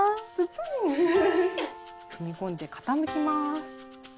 踏み込んで傾きます。